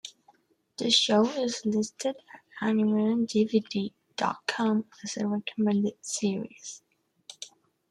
The show is listed at Animeondvd dot com as a recommended series.